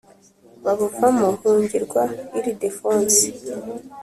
Babuva mo hungirwa Ilidefonsi.